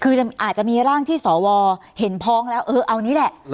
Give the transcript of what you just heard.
คืออาจจะมีร่างที่สวเห็นพ้องแล้วเออเอานี้แหละ